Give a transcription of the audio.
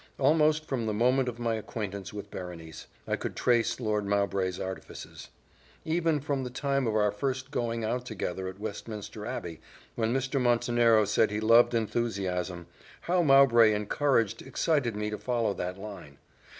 Almost from the moment of my acquaintance with Berenice, I could trace Lord Mowbray's artifices. Even from the time of our first going out together at Westminster Abbey, when Mr. Montenero said he loved enthusiasm, how Mowbray encouraged, excited me to follow that line.